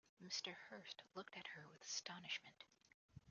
Mr. Hurst looked at her with astonishment.